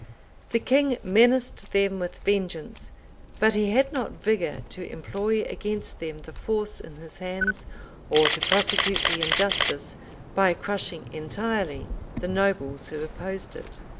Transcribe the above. The king menaced them with vengeance; but he had not vigor to employ against them the force in his hands, or to prosecute the injustice, by crushing entirely the nobles who opposed it.